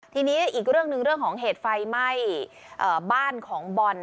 ทีนี้อีกเรื่องนึงของเหตุไฟไม่บ้านของบอน